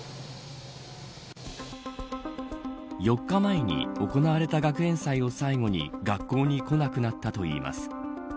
４日前に行われた学園祭を最後に学校に来なくなったといいます。